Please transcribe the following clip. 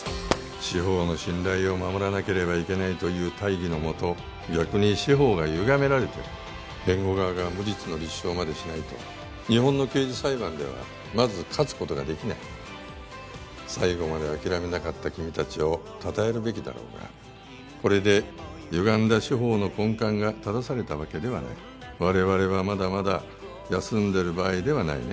司法の信頼を守らなければいけないという大義の下逆に司法がゆがめられてる弁護側が無実の立証までしないと日本の刑事裁判ではまず勝つことができない最後まで諦めなかった君達をたたえるべきだろうがこれでゆがんだ司法の根幹が正されたわけではない我々はまだまだ休んでる場合ではないね